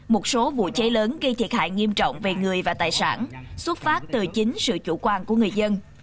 một số vụ cháy lớn gây thiệt hại nghiêm trọng về người và tài sản xuất phát từ chính sự chủ quan của người dân